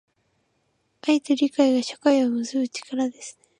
愛と理解が、社会を結ぶ力ですね。